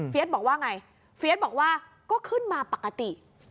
บอกว่าไงเฟียสบอกว่าก็ขึ้นมาปกติ